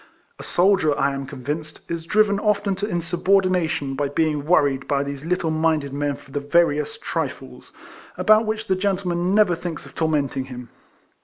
A soldier, I am convinced, is driven often to insubordination by being worried by these little minded men for the veriest trifles, about which the gentleman never thinks of tor menting him.